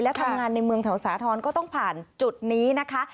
และทำงานในเมืองแถวสาธรณ์ก็ต้องผ่านจุดนี้นะคะ